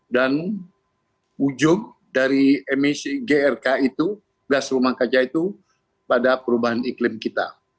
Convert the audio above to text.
dan ujung dari emisi grk itu gas rumah kaca itu pada perubahan iklim kita